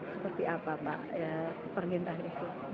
seperti apa pak permintaan itu